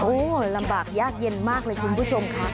โอ้โหลำบากยากเย็นมากเลยคุณผู้ชมค่ะ